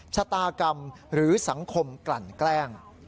ชะตากรรมหรือสังคมกลั่นแกล้ง